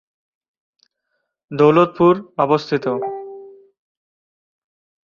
দৌলতপুর অবস্থিত।